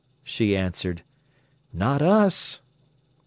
she answered. "Not us."